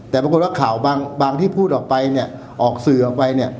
แต่ปรากฏว่าข่าวบางที่พูดออกไปเนี่ยออกสื่อออกไปเนี่ย